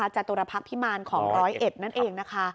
จตุรพณฑ์พิมานของร้อยเอ็ดนั่นเอง